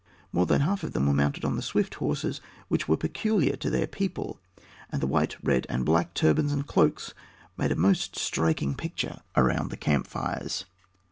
More than half of them were mounted on the swift horses which were peculiar to their people; and the white, red, and black turbans and cloaks made a most striking picture around the camp fires.